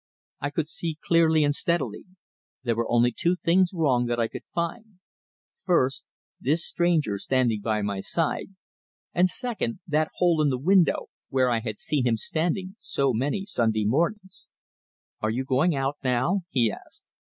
I could see clearly and steadily; there were only two things wrong that I could find first, this stranger standing by my side, and second, that hole in the window, where I had seen him standing so many Sunday mornings! "Are you going out now?" he asked.